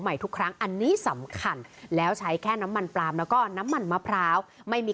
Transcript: ทุกครั้งอันนี้สำคัญแล้วใช้แค่น้ำมันปลามแล้วก็น้ำมันมะพร้าวไม่มี